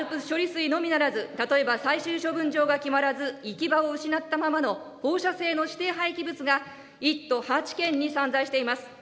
水のみならず、例えば最終処分場が決まらず、行き場を失ったままの放射性の指定廃棄物が、１都８県に散在しております。